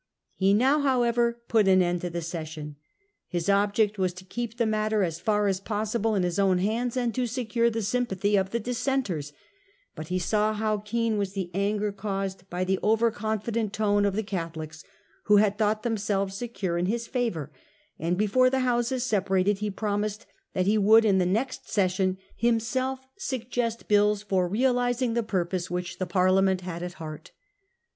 * He now however put an end to the session. His object was to keep the matter as far as possible in his own hands, and to secure the sympathy of the Dissenters ; but he saw how keen was the anger caused by the over confident tone of the Catholics, who had thought themselves secure in his favour, and before the Houses separated he promised that he would in the next session himself suggest bills for realising the purpose which the Parliament had at heart.